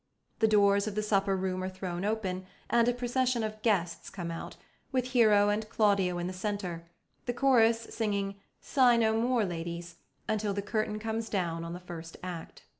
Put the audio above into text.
The doors of the supper room are thrown open and a procession of guests comes out, with Hero and Claudio in the centre, the chorus singing "Sigh no more, ladies," until the curtain comes down on the first act.